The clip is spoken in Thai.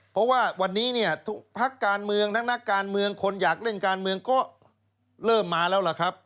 เพราะว่าวันนี้เนี่ยทุกพักการเมืองทั้งนักการเมืองคนอยากเล่นการเมืองก็เริ่มมาแล้วล่ะครับ